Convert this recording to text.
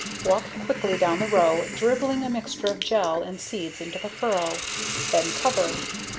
Walk quickly down the row, dribbling a mixture of gel and seeds into the furrow. Then cover.